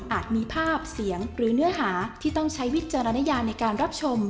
มีภาพเสียงหรือเนื้อหาที่ต้องใช้วิจารณญาในการรับชม